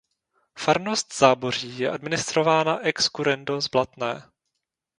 Farnost Záboří je administrována ex currendo z Blatné.